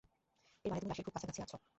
এর মানে তুমি লাশের খুব কাছাকাছি আছো।